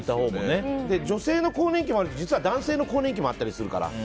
女性の更年期もあるし実は男性の更年期もあったりするから。